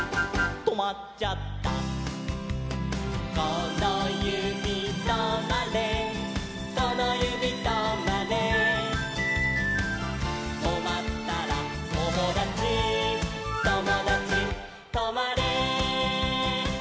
「このゆびとまれこのゆびとまれ」「とまったらともだちともだちとまれ」